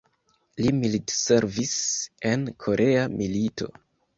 Li militservis en Korea milito.